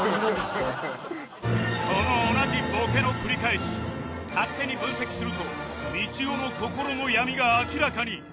この同じボケの繰り返し勝手に分析するとみちおの心の闇が明らかに！